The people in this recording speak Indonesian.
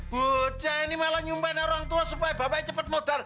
bucah ini malah nyumpain orang tua supaya babanya cepet nodar